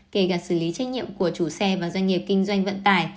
kể cả xử lý trách nhiệm của chủ xe và doanh nghiệp kinh doanh vận tải